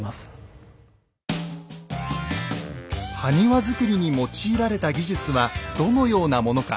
埴輪作りに用いられた技術はどのようなものか。